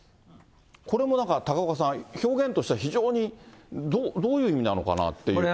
これもなんか高岡さん、表現としては非常にどういう意味なのかなっていう。